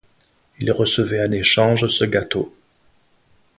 Ils recevaient en échange ce gâteau.